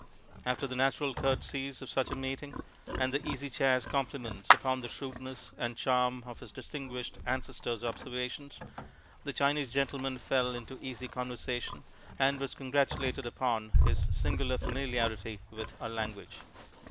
After the natural courtesies of such a meeting, and the Easy Chair's compliments upon the shrewdness and charm of his distinguished ancestor's observations, the Chinese gentleman fell into easy conversation, and was congratulated upon his singular familiarity with our language.